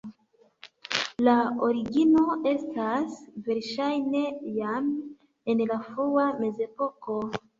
La origino estas verŝajne jam en la frua mezepoko.